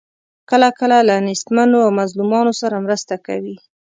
کله کله له نیستمنو او مظلومانو سره مرسته کوي.